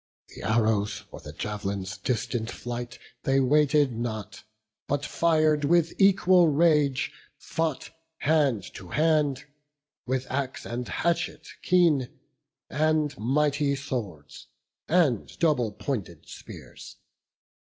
The arrow's or the jav'lin's distant flight They waited not, but, fir'd with equal rage, Fought hand to hand, with axe and hatchet keen, And mighty swords, and double pointed spears.